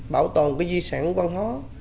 bảo tồn cái di sản văn hóa